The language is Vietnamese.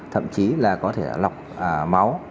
thậm chí là có thể lọc máu